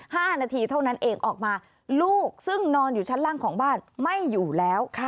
ห้านาทีเท่านั้นเองออกมาลูกซึ่งนอนอยู่ชั้นล่างของบ้านไม่อยู่แล้ว